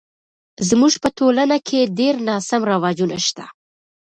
زموږ په ټولنه کې ډیر ناسم رواجونه شته